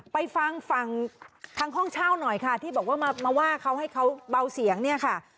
ไปฟังฝั่งทางห้องเช่าหน่อยค่ะที่บอกว่ามาว่าเขาให้เขาเบาเสียงเนี่ยค่ะ